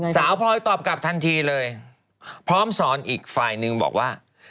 พลอยตอบกลับทันทีเลยพร้อมสอนอีกฝ่ายนึงบอกว่า